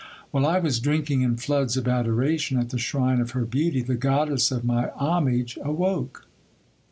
While I was drinking in floods of adoration at the shrine of her beauty, the goddess of my homage awoke.